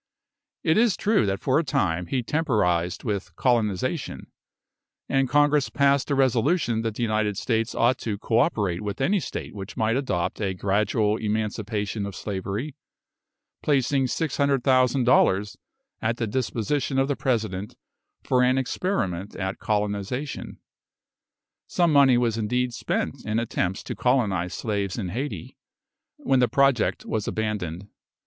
It is true that for a time he temporised with "colonisation;" and Congress passed a resolution that the United States ought to co operate with any state which might adopt a gradual emancipation of slavery, placing 600,000 dollars at the disposition of the President for an experiment at colonisation. Some money was indeed spent in attempts to colonise slaves in Hayti, when the project was abandoned.